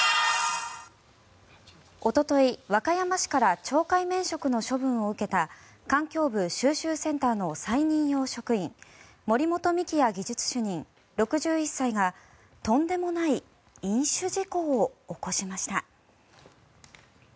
おととい、和歌山市から懲戒免職の処分を受けた環境部収集センターの再任用職員森本幹也技術主任６１歳がとんでもない飲酒事故を起こしました。